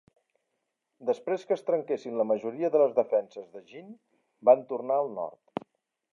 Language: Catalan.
Després que es trenquessin la majoria de les defenses de Jin, van tornar al nord.